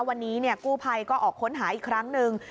วันนี้กู้ภัยก็ออกค้นหาอีกครั้งหนึ่ง